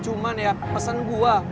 cuman ya pesen gue